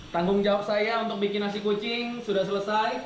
tanggung jawab saya untuk bikin nasi kucing sudah selesai